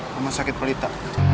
rumah sakit pelita